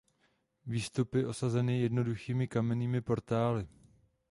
Vstupy osazeny jednoduchými kamennými portály.